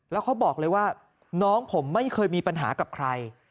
แล้วเขาบอกเลยว่าน้องผมไม่เคยมีปัญหากับใคร